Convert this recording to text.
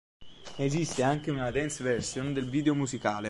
Esiste anche una dance version del video musicale.